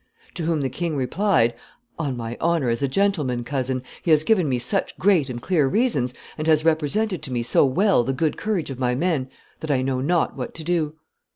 To whom the king replied, 'On my honor as a gentleman, cousin, he has given me such great and clear reasons, and has represented to me so well the good courage of my men, that I know not what to do.